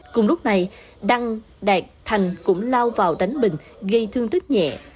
cùng lúc này đăng đạt thành cũng lao vào đánh bình gây thương tích nhẹ